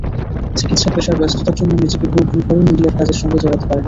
চিকিত্সা পেশার ব্যস্ততার জন্য নিজেকে পুরোপুরিভাবে মিডিয়ার কাজের সঙ্গে জড়াতে পারিনি।